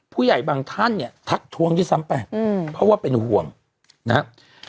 ผู้ใหญ่บางท่านเนี่ยทักทวงด้วยซ้ำไปเพราะว่าเป็นห่วงนะครับ